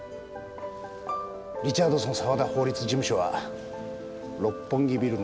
リチャードソン澤田法律事務所は六本木ビルの最上階。